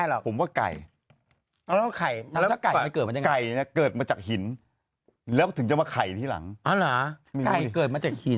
แต่วันนี้เขามีผู้เชี่ยวชาญแดนวิศวกรรม